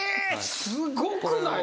すごくない？